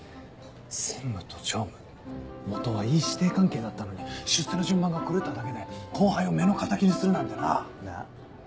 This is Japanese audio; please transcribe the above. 専務と常務元はいい師弟関係だったのに出世の順番が狂っただけで後輩を目の敵にするなんてなぁ。なぁ。